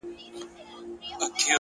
خپل ژوند په ارزښتونو ودروئ.